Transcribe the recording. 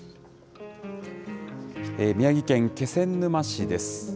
宮城県気仙沼市です。